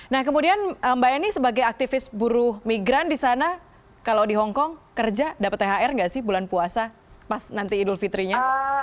nah kemudian mbak eni sebagai aktivis buruh migran di sana kalau di hongkong kerja dapat thr nggak sih bulan puasa pas nanti idul fitrinya